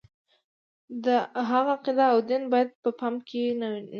د هغه عقیده او دین باید په پام کې نه وي.